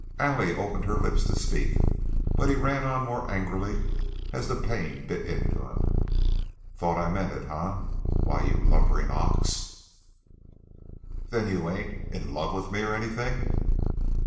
Allie opened her lips to speak, but he ran on more angrily as the pain bit into him. "Thought I meant it, eh? Why, you lumbering ox " "Then you ain't in love with me or or anything?"